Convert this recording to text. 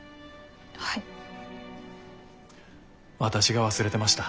私が忘れてました。